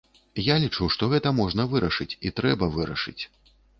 Я лічу, што гэта можна вырашыць, і трэба вырашыць.